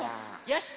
よし！